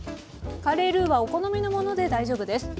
カレールーはお好みのもので大丈夫です。